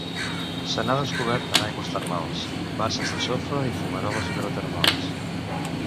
Se n'ha descobert en aigües termals, basses de sofre i fumaroles hidrotermals.